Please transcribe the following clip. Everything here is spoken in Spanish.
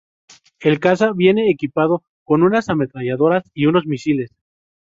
El caza viene equipado con unas ametralladoras y unos misiles.